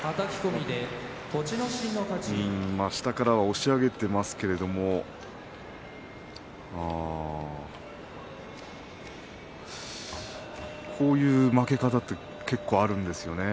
下からは押し上げていますけれどもこういう負け方って結構あるんですよね。